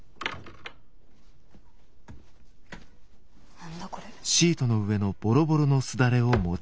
何だこれ。